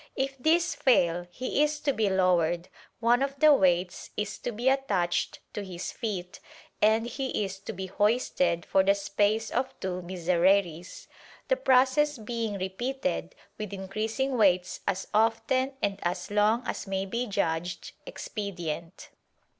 If this fail he is to be lowered, one of the weights is to be attached to his feet and he is to be hoisted for the space of two Misereres, the process being repeated with increasing weights as often and as long as may be judged expe dient.